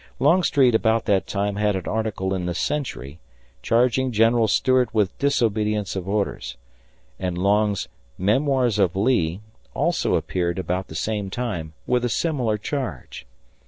Longstreet about that time had an article in the Century charging General Stuart with disobedience of orders; and Long's "Memoirs of Lee" also appeared about the same time with a similar charge.